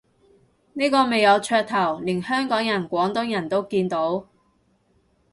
呢個咪有噱頭，連香港人廣東人都見到